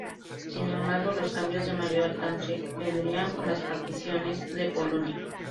Sin embargo los cambios de mayor alcance vendrían con las particiones de Polonia.